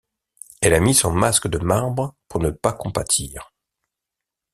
Elle a mis son masque de marbre pour ne pas compatir.